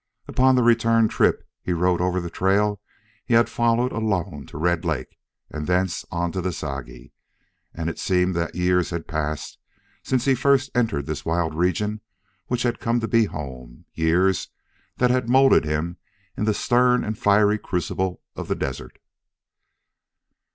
Upon the return trip he rode over the trail he had followed alone to Red Lake and thence on to the Sagi, and it seemed that years had passed since he first entered this wild region which had come to be home, years that had molded him in the stern and fiery crucible of the desert.